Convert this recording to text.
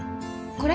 これ？